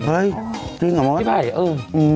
เฮ้ยจริงเหรอพี่ไผ่